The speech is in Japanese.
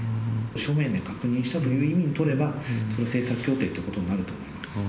書面で確認したという意味を取れば、それは政策協定ということになると思います。